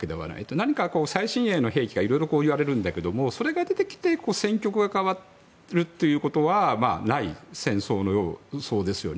何か最新鋭の兵器がいろいろ言われるんだけれどもそれが出てきて戦局が変わるということはない戦争の予想ですよね。